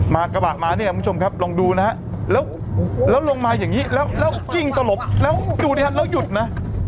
กระบะมาเนี่ยคุณผู้ชมครับลองดูนะฮะแล้วลงมาอย่างนี้แล้วกิ้งตลบแล้วดูดิฮะแล้วหยุดนะ